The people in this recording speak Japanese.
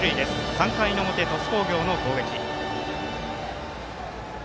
３回の表、鳥栖工業の攻撃。